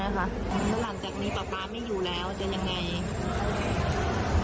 แล้วหลังจากนี้ป๊าป๊าไม่อยู่แล้วจะยังไง